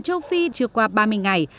châu phi trưa qua ba mươi ngày